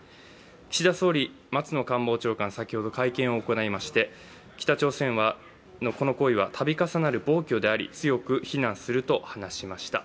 岸田総理、松野官房長官先ほど会見を行いまして北朝鮮のこの行為は度重なる暴挙であり、強く非難すると話しました。